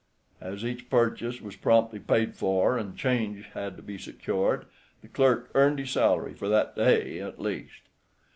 As each purchase was promptly paid for, and change had to be secured, the clerk earned his salary for that day at least.